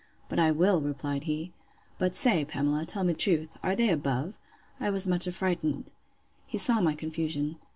But I will, replied he.—But say, Pamela, tell me truth: Are they above? I was much affrighted. He saw my confusion.